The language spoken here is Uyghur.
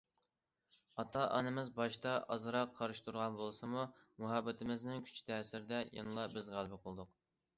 ئاتا- ئانىمىز باشتا ئازراق قارشى تۇرغان بولسىمۇ، مۇھەببىتىمىزنىڭ كۈچى تەسىرىدە، يەنىلا بىز غەلىبە قىلدۇق.